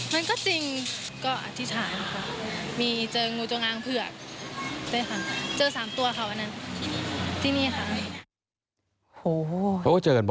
มันก็จริง